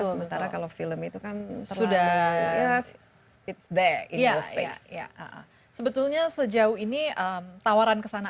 sementara kalau film itu kan sudah ya it's the interface sebetulnya sejauh ini tawaran kesana